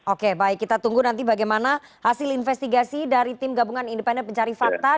oke baik kita tunggu nanti bagaimana hasil investigasi dari tim gabungan independen pencari fakta